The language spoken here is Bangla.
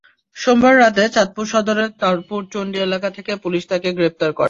সোমবার রাতে চাঁদপুর সদরের তরপুর চণ্ডী এলাকা থেকে পুলিশ তাঁকে গ্রেপ্তার করে।